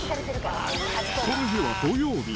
この日は土曜日。